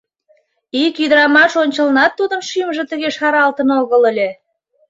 Ик ӱдырамаш ончылнат тудын шӱмжӧ тыге шаралтын огыл ыле.